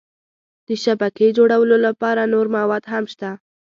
د شبکې جوړولو لپاره نور مواد هم شته.